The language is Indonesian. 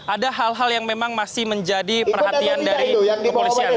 ada hal hal yang memang masih menjadi perhatian dari kepolisian